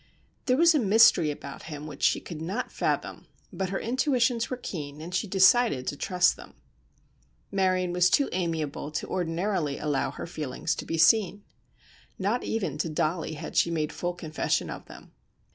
There was a mystery about him which she could not fathom—but her intuitions were keen, and she decided to trust them. Marion was too amiable to ordinarily allow her feelings to be seen. Not even to Dollie had she made full confession of them.